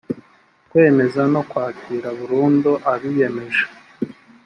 kwemeza no kwakira burundu abiyemeje